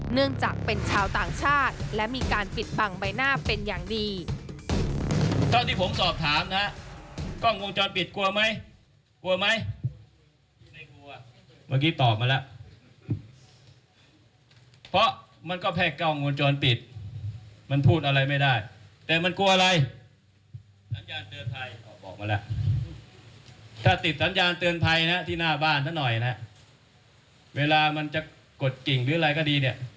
เนื่องจากเป็นชาวต่างชาติและมีการปิดบังใบหน้าเป็นอย่างดี